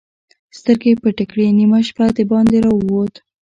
سترګې يې پټې کړې، نيمه شپه د باندې را ووت.